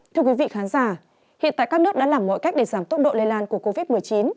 thưa quý vị khán giả hiện tại các nước đã làm mọi cách để giảm tốc độ lây lan của covid một mươi chín